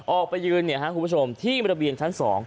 ออกไปยืนคุณผู้ชมที่บริเวณฐาน๒